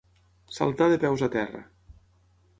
Saltar de peus a terra.